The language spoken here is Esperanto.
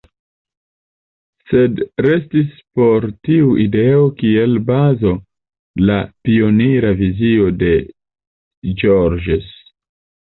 Sed restis por tiu ideo kiel bazo la pionira vizio de Georges.